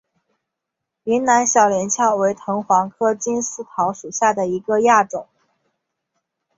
云南小连翘为藤黄科金丝桃属下的一个亚种。